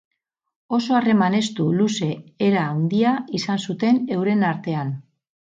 Oso harreman estu, luze era handia izan zuten euren artean.